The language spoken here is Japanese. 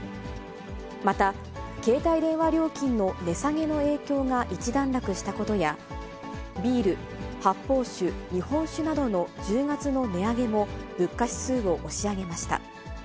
また、携帯電話料金の値下げの影響が一段落したことや、ビール、発泡酒、日本酒などの１０月の値上げも、物価指数を押し上げました。